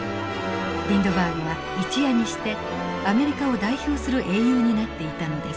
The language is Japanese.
リンドバーグは一夜にしてアメリカを代表する英雄になっていたのです。